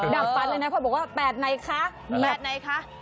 จากนั้นเนี่ยพอบอกว่าแปดไหนคะ